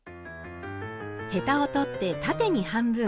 ヘタを取って縦に半分。